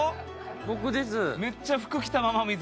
僕です。